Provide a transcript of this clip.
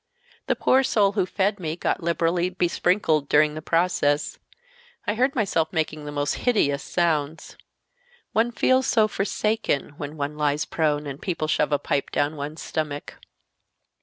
The poor soul who fed me got liberally besprinkled during the process. I heard myself making the most hideous sounds .... One feels so forsaken when one lies prone and people shove a pipe down one's stomach."